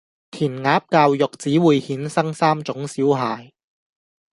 填鴨教育只會衍生三種小孩